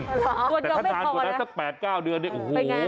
หรอตัวเกาะไม่พอแล้วนะแต่ถ้านานกว่านั้นสัก๘๙เดือนโอ้โห